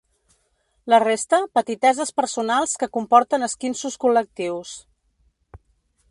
La resta, petiteses personals que comporten esquinços col·lectius.